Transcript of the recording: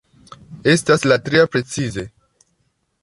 Estas la tria precize.